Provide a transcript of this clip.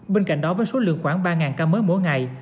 bên cạnh đó với số lượng khoảng ba ca mới mỗi ngày